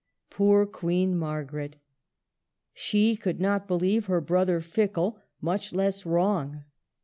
Poor Queen Margaret ! She could not believe her brother fickle, much less wrong.